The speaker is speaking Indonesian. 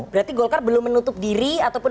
berarti golkar belum menutup diri ataupun